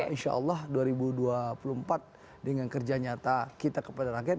insya allah dua ribu dua puluh empat dengan kerja nyata kita kepada rakyat